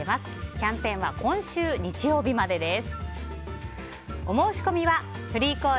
キャンペーンは今週日曜日までです。